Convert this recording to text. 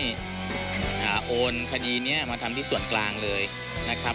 อยากจะให้โอนคดีนี้มาทำที่ส่วนกลางเลยนะครับ